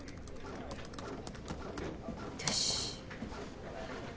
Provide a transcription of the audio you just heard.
よし。